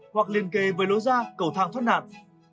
hoặc liên kề với lối ra cầu thang thoát nạn